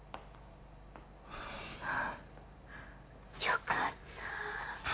よかった。